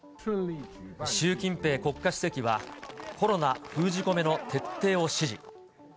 習近平国家主席は、コロナ封じ込めの徹底を指示。